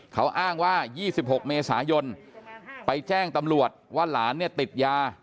เขาอ้างว่า๒๖เมษายนไปแจ้งตำรวจว่าหลานเนี่ยติดยา